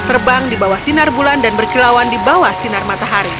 terbang di bawah sinar bulan dan berkilauan di bawah sinar matahari